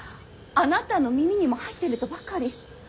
あなたの耳にも入ってるとばかり。